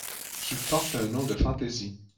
Tu portes un nom de fantaisie.